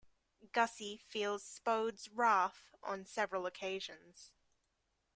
Gussie feels Spode's wrath on several occasions.